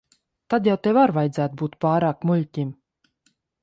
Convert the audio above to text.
Tad jau tev ar vajadzētu būt pārāk muļķim.